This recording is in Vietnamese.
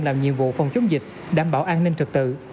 làm nhiệm vụ phòng chống dịch đảm bảo an ninh trật tự